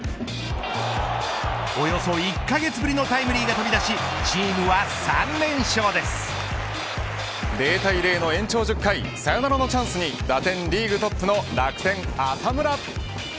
およそ１カ月ぶりのタイムリーが飛び出し０対０の延長１０回サヨナラのチャンスに打点リーグトップの楽天、浅村。